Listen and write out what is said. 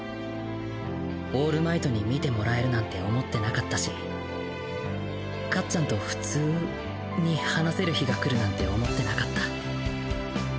オールマイトに見てもらえるなんて思ってなかったしかっちゃんと普通？に話せる日が来るなんて思ってなかった